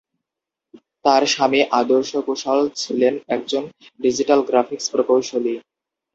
তার স্বামী আদর্শ কুশল ছিলেন একজন 'ডিজিটাল গ্রাফিক্স' প্রকৌশলী।